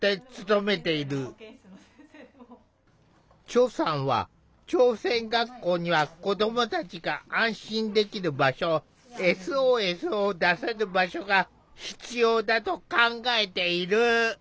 チョさんは「朝鮮学校には子どもたちが安心できる場所ＳＯＳを出せる場所が必要だ」と考えている。